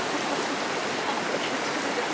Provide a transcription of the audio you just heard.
あっ、気付かれちゃった。